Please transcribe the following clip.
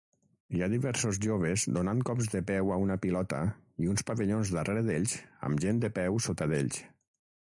Hi ha diversos joves donant cops de peu a una pilota i uns pavellons darrere d'ells amb gent de peu sota d'ells